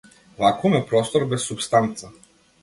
Вакуум е простор без супстанца.